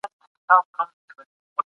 د ميرويس خان نيکه مقبره څنګه جوړه سوه؟